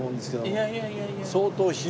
いやいやいやいや。